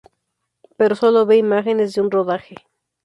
Pero sólo ve imágenes de un rodaje.